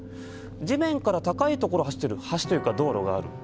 地面から高いところを走っている橋というか道路がある。